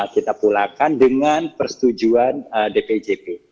kita pulakan dengan persetujuan dpjp